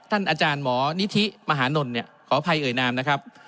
อาจารย์หมอนิธิมหานลขออภัยเอ่ยนามนะครับ